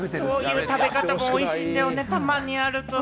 そういう食べ方も美味しいんだよね、たまにやると。